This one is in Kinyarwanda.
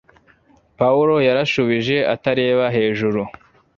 Pawulo yarashubije, atareba hejuru